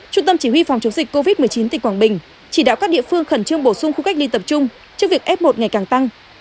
trung tâm chỉ huy phòng chống dịch covid một mươi chín tỉnh quảng bình chỉ đạo các địa phương khẩn trương bổ sung khu cách ly tập trung trước việc f một ngày càng tăng